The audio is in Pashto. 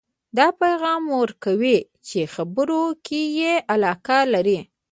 دا پیغام ورکوئ چې خبرو کې یې علاقه لرئ